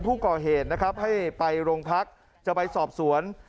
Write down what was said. ผู้ก่อเหตุนะครับให้ไปโรงพักจะไปสอบสวน